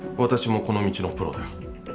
私もこの道のプロだ。